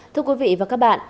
thưa quý vị và các bạn